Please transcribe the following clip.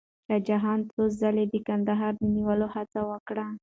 شاه جهان څو ځله د کندهار د نیولو هڅه وکړه.